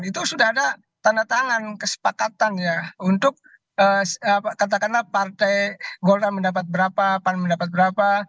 itu sudah ada tanda tangan kesepakatan ya untuk katakanlah partai golkar mendapat berapa pan mendapat berapa